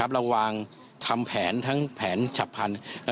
ระวังทำแผนทั้งแผนฉับพันธุ์